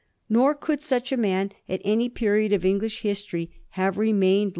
Nor could such a man at any period of English history have remained long VOL.